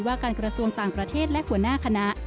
การกระทรวงต่างประเทศและหัวหน้าคณะ